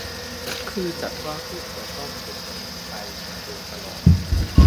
คือจัดว่าพืชกระท่อมเป็นสมุนไพรมาโดยตลอด